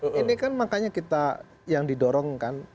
nah ini kan makanya kita yang didorong kan